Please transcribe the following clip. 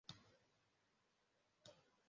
Umuhungu muto ahagarara mumigezi kumunsi wizuba